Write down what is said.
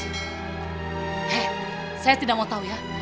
eh saya tidak mau tahu ya